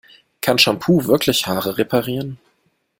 Kann Shampoo wirklich Haare reparieren?